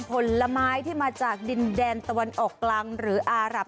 ผลไม้ที่มาจากดินแดนตะวันออกกลางหรืออารับ